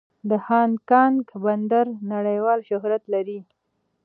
د هانګ کانګ بندر نړیوال شهرت لري.